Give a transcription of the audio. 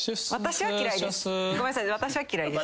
私は嫌いです。